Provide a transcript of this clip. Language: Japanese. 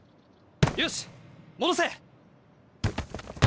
よし戻せ！